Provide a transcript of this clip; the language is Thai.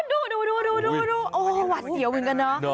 อ้อยยยยดูวาดเหลียวเหมือนกันเนอะ